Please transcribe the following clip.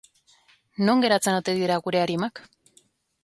Non geratzen ote dira gure arimak?